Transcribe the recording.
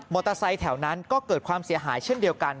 เตอร์ไซค์แถวนั้นก็เกิดความเสียหายเช่นเดียวกัน